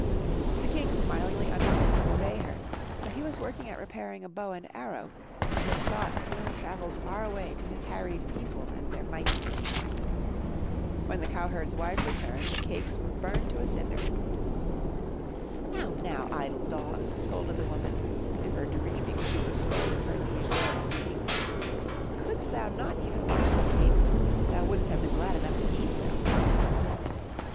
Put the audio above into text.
The King smilingly undertook to obey her, but he was working at repairing a bow and arrow, and his thoughts soon travelled far away to his harried people and their mighty need. When the cowherd's wife returned the cakes were burned to a cinder. "Now, now, idle dog,'* scolded the woman, never dreaming she was scolding her liege lord and king, couldst thou not even watch the cakes? Thou wouldst have been glad enough to eat them!'